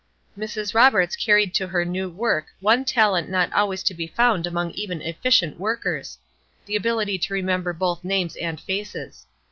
Mrs. Roberts carried to her new work one talent not always to be found among even efficient workers, the ability to remember both names and faces.